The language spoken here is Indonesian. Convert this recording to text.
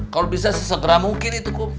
kalau bisa sesegera mungkin itu kok